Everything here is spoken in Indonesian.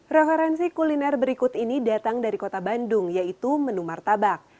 referensi kuliner berikut ini datang dari kota bandung yaitu menu martabak